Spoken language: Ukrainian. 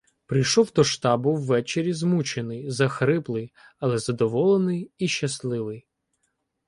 Прийшов до штабу ввечері змучений, захриплий, але задоволений і щасливий.